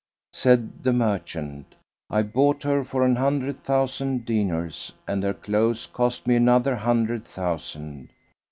Said the merchant, "I bought her for an hundred thousand dinars, and her clothes cost me another hundred thousand."